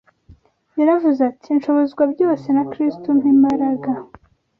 Yaravuze ati: “Nshobozwa byose na Kristo umpa imbaraga